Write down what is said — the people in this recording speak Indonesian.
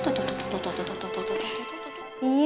ih main apa ini